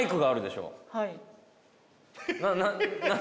はい。